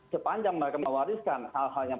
sepanjang mereka mewariskan hal hal yang